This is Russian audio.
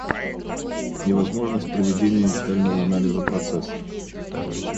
Невозможность проведения детального анализа процессов